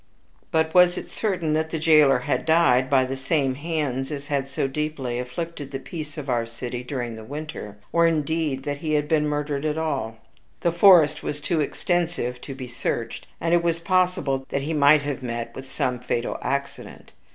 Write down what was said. But was it certain that the jailer had died by the same hands as had so deeply afflicted the peace of our city during the winter or, indeed, that he had been murdered at all? The forest was too extensive to be searched; and it was possible that he might have met with some fatal accident.